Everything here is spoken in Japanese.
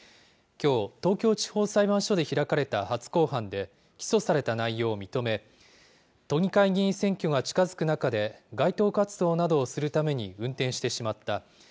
きょう、東京地方裁判所で開かれた初公判で、起訴された内容を認め、都議会議員選挙が近づく中で、街頭活動などをするために運転してしまった。